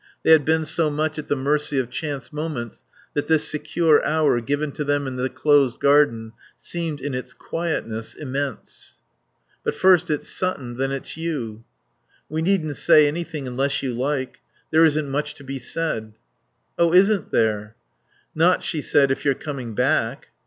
They had been so much at the mercy of chance moments that this secure hour given to them in the closed garden seemed, in its quietness, immense. "... But first it's Sutton, then it's you." "We needn't say anything unless you like. There isn't much to be said." "Oh, isn't there!" "Not," she said, "if you're coming back."